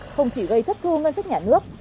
không chỉ gây thất thu ngân sách nhà nước